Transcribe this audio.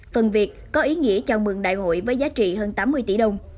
phần việc có ý nghĩa chào mừng đại hội với giá trị hơn tám mươi tỷ đồng